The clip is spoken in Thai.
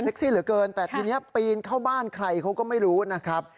เหลือเกินแต่ทีนี้ปีนเข้าบ้านใครเขาก็ไม่รู้นะครับ